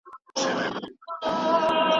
چې ګذر په اصفهان کړې